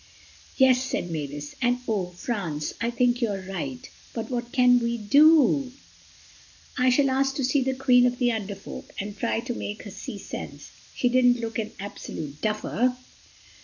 "Yes," said Mavis, "and oh, France—I think you're right. But what can we do?" "I shall ask to see the Queen of the Under Folk, and try to make her see sense. She didn't look an absolute duffer."